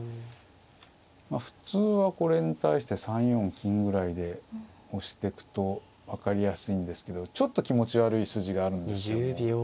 まあ普通はこれに対して３四金ぐらいで押してくと分かりやすいんですけどちょっと気持ち悪い筋があるんですけども。